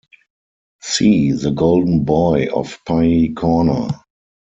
See The Golden Boy of Pye Corner.